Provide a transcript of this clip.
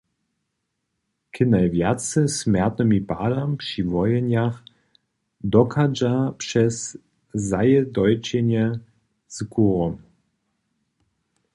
K najwjace smjertnym padam při wohenjach dochadźa přez zajědojćenje z kurom.